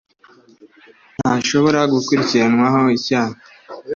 ntashobora gukurikiranwaho icyaha